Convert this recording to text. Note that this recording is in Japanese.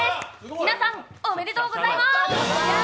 皆さん、おめでとうございまーす。